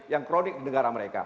yang kronik di negara mereka